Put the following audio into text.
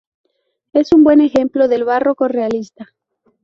Es un buen ejemplo del barroco realista.